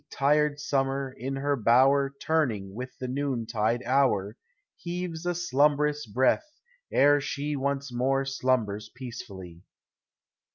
Tired summer, in her bower Turning with the noontide hour. Heaves a slumbrous breath ere she Once more slumbers peacefully.